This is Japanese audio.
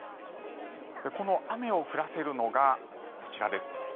この雨を降らせるのがこちらです。